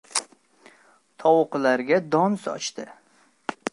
Tovuqlarga don sochdi.